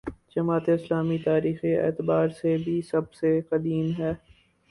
جماعت اسلامی تاریخی اعتبار سے بھی سب سے قدیم ہے۔